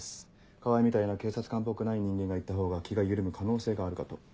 川合みたいな警察官っぽくない人間が行ったほうが気が緩む可能性があるかと。